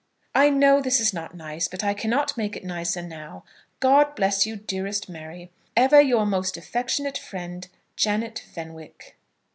I know this is not nice, but I cannot make it nicer now. God bless you, dearest Mary. Ever your most affectionate friend, JANET FENWICK.